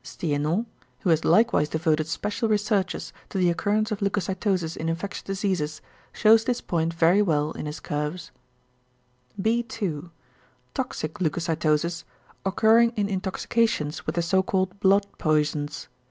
Stiénon, who has likewise devoted special researches to the occurrence of leucocytosis in infectious diseases, shews this point very well in his curves. 2. =Toxic leucocytosis= occurring in intoxications with the so called blood poisons.